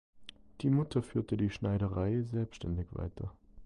Die Mutter führte die Schneiderei selbständig weiter.